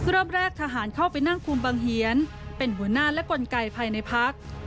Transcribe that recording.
รอบแรกทหารเข้าไปนั่งคุมบังเฮียนเป็นหัวหน้าและกลไกภายในพัก